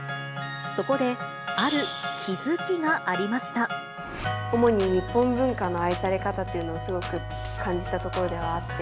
そこで、主に日本文化の愛され方っていうのはすごく感じたところではあって。